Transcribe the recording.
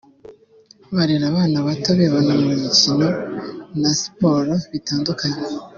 barere abana bato bibona mu mikino na siporo bitandukanye